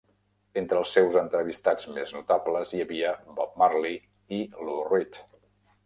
Entre els seus entrevistats més notables hi havia Bob Marley i Lou Reed.